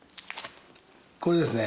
これですね。